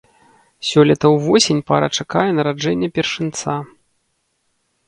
Сёлета ўвосень пара чакае нараджэння першынца.